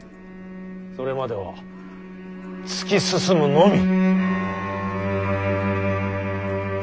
それまでは突き進むのみ。